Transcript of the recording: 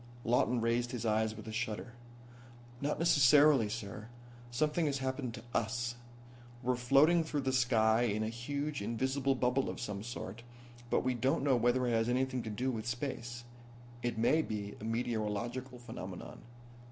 Lawton raised his eyes with a shudder. "Not necessarily, sir. Something has happened to us. We're floating through the sky in a huge, invisible bubble of some sort, but we don't know whether it has anything to do with space. It may be a meteorological phenomenon."